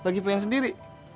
lagi pengen sendiri